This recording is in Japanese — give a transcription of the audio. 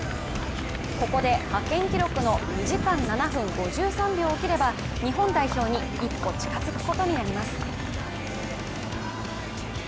ここで派遣記録の２時間７分５３秒を切れば日本代表に一歩近づくことになります。